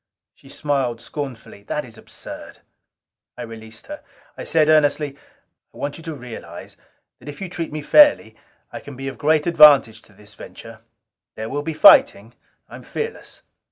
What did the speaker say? She smiled scornfully. "That is absurd." I released her. I said earnestly, "I want you to realize that if you treat me fairly, I can be of great advantage to this venture. There will be fighting. I am fearless."